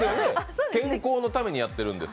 健康のためにやってるんです。